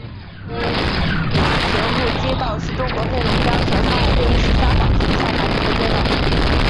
哈平路街道是中国黑龙江省哈尔滨市香坊区下辖的一个街道。